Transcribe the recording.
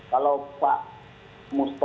kalau pak mustafa